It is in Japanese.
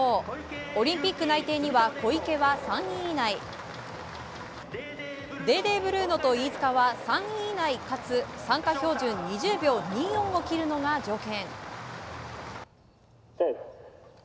オリンピック内定には小池は３位以内デーデー・ブルーノと飯塚は３位以内かつ参加標準２０秒２４を切るのが条件。